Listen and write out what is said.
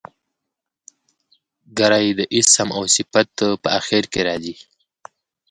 ګری د اسم او صفت په آخر کښي راځي.